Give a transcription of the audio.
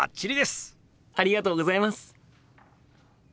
ありがとうございます！